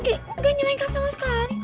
gak nyelengkap sama sekali